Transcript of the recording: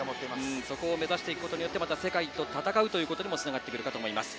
そこを目指すことによって世界と戦うということにもつながってくるかと思います。